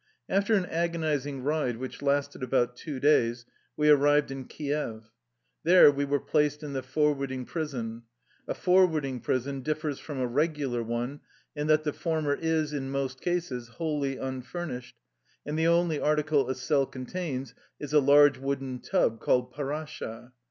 After an agonizing ride which lasted about two days, we arrived in Kief. There we were placed in the forwarding prison. A forwarding prison differs from a regular one in that the former is, in most cases, wholly unfurnished, and the only article a cell contains is a large wooden tub called pardsha.